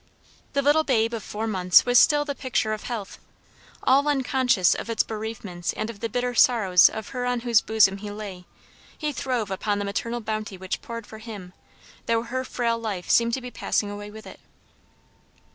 The little babe of four months was still the picture of health. All unconscious of its bereavements and of the bitter sorrows of her on whose bosom he lay, he throve upon the maternal bounty which poured for him, though her frail life seemed to be passing away with it.